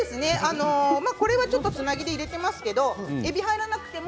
これはつなぎで入れていますけどえびが入らなくても。